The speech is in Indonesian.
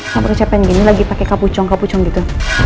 sampai kecepen gini lagi pake kapucong kapucong gitu